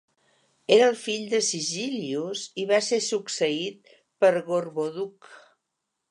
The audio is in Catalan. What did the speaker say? Era el fill de Sisillius I i va ser succeït per Gorboduc.